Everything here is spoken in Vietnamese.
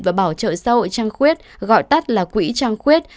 và bảo trợ xã hội trang khuyết gọi tắt là quỹ trăng khuyết